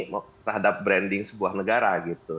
terhadap branding sebuah negara gitu